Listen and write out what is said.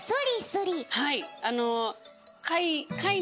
はい。